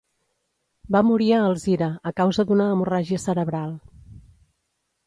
Va morir a Alzira a causa d'una hemorràgia cerebral.